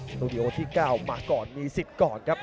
ตูดิโอที่๙มาก่อนมีสิทธิ์ก่อนครับ